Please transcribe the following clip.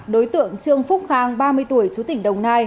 đối tượng trương phúc khang ba mươi tuổi chú tỉnh đồng nai